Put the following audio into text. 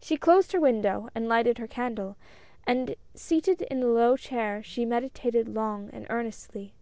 She closed her window and lighted her candle, and seated in a low chair she meditated long and earnestly.